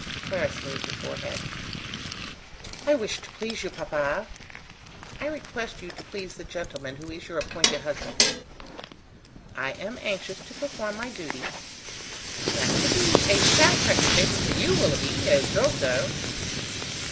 Clara smoothed her forehead. "I wish to please you, papa." "I request you to please the gentleman who is your appointed husband." "I am anxious to perform my duty." "That should be a satisfactory basis for you, Willoughby; as girls go!"